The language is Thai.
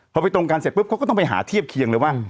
พอไปตรงกันเสร็จปุ๊บเขาก็ต้องไปหาเทียบเคียงเลยว่า